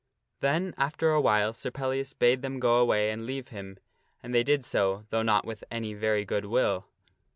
Then after a while Sir Pellias bade them go away and leave him, and they did so, though not with any very good will.